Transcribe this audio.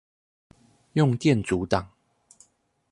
用電阻檔